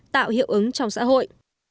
tạo hiệu ứng trong xã hội